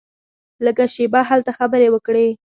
لږه شېبه هلته خبرې وکړې.